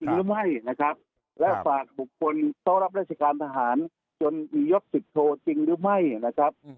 หรือไม่นะครับและฝากบุคคลโต๊ะรับราชการทหารจนมียศสิบโทจริงหรือไม่นะครับ